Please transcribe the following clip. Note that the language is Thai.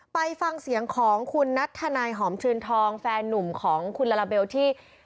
ไปฟังเสียงของคุณนัทธนายหอมชืนทองแฟนนุ่มของคุณลาลาเบลที่